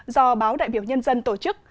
do báo đại biểu nhân dân tổ chức